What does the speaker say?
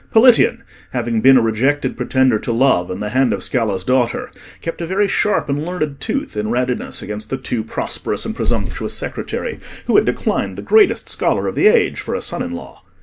Politian, having been a rejected pretender to the love and the hand of Scala's daughter, kept a very sharp and learned tooth in readiness against the too prosperous and presumptuous secretary, who had declined the greatest scholar of the age for a son in law.